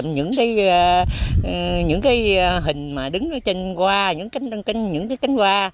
những hình đứng trên qua